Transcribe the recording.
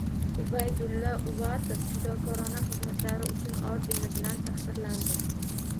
Ubaydulla Uvatov “Fidokorona xizmatlari uchun” ordeni bilan taqdirlandi